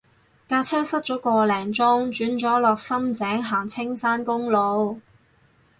架車塞咗個零鐘轉咗落深井行青山公路